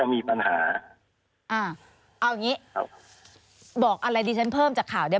มีปัญหาอ่าเอาอย่างงี้ครับบอกอะไรดิฉันเพิ่มจากข่าวเนี้ย